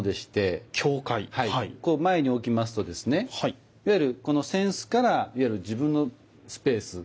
こう前に置きますとですねいわゆる扇子から自分のスペース。